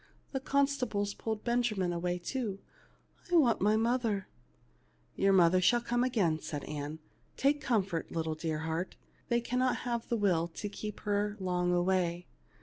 The consta bles pulled Benjamin away too. I want my mother." " Your mother shall come again," said Ann. " Take comfort, dear little heart, they cannot have the will to keep her long away.